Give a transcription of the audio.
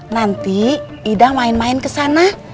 nanti ida main main ke sana